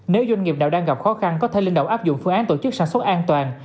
nếu doanh nghiệp nào đang gặp khó khăn có thể linh động áp dụng phương án tổ chức sản xuất an toàn